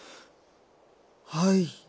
はい。